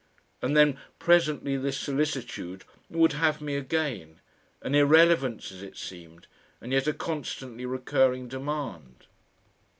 And then presently this solicitude would have me again, an irrelevance as it seemed, and yet a constantly recurring demand.